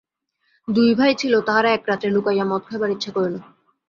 দুই ভাই ছিল, তাহারা এক রাত্রে লুকাইয়া মদ খাইবার ইচ্ছা করিল।